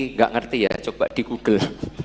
nggak ngerti ya coba di google